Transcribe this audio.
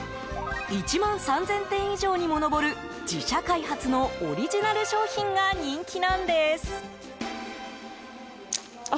１万３０００点以上にも上る自社開発のオリジナル商品が人気なんです。